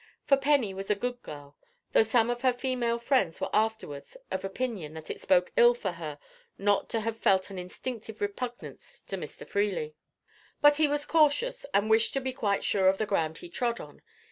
For Penny was a good girl, though some of her female friends were afterwards of opinion that it spoke ill for her not to have felt an instinctive repugnance to Mr. Freely. But he was cautious, and wished to be quite sure of the ground he trod on.